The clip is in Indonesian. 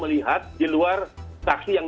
melihat di luar saksi yang